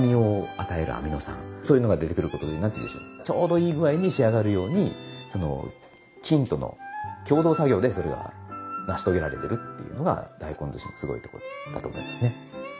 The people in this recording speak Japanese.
そういうのが出てくることで何ていうんでしょうちょうどいい具合に仕上がるように菌との共同作業でそれが成し遂げられてるっていうのが大根ずしのすごいとこだと思いますね。